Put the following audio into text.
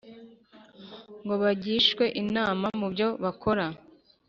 ngo bagishwe inama mubyo bakora